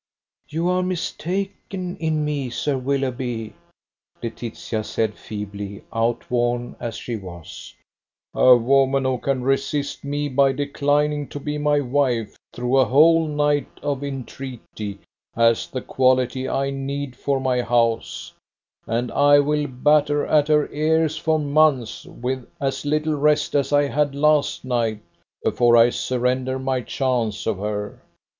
"You are mistaken in me, Sir Willoughby." Laetitia said feebly, outworn as she was. "A woman who can resist me by declining to be my wife, through a whole night of entreaty, has the quality I need for my house, and I will batter at her ears for months, with as little rest as I had last night, before I surrender my chance of her.